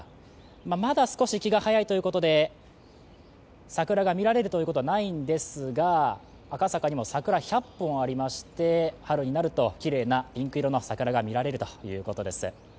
まだ少し気が早いということで桜が見られるということはないんですが赤坂にも桜は１００本ありまして、春になるときれいなピンク色の桜が見られるということです。